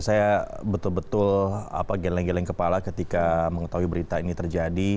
saya betul betul geleng geleng kepala ketika mengetahui berita ini terjadi